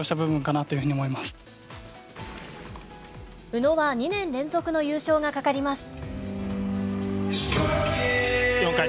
宇野は２年連続の優勝がかかります。